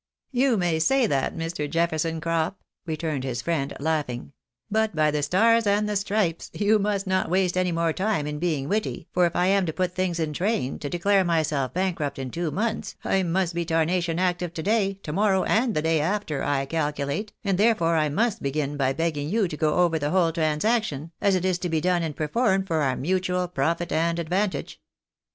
" You may say that, Mr. Jefferson Crop," returned his friend, laughing ;" but by the Stars and the Stripes, you must not waste any more time in being witty, for if I am to put things in train, to declare myself bankrupt in two months, I must be tarnation active to day, to morrow, and the day after, I calculate, and therefore I must begin by begging you to go over the whole transaction, as it is to be done and performed for our mutual profit and advantage."